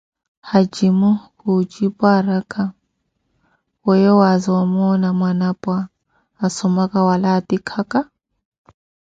Haakhimo kujipu araka, weeyo waaza omoona mwanapwa asomka wala aatikhaka?